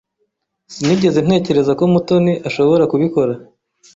Sinigeze ntekereza ko Mutoni ashobora kubikora.